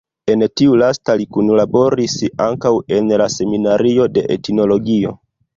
En tiu lasta li kunlaboris ankaŭ en la Seminario de Etnologio.